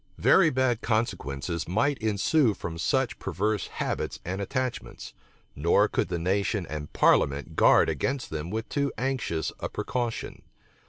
Very bad consequences might ensue from such perverse habits and attachments; nor could the nation and parliament guard against them with too anxious a precaution.